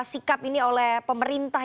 sikap ini oleh pemerintah